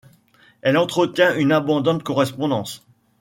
Elle entretient une abondante correspondance.